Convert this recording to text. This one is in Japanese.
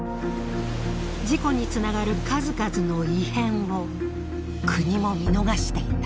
事故につながる数々の異変を国も見逃していた。